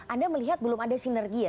anda melihat belum ada sinergia